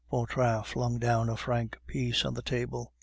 Vautrin flung down a franc piece on the table.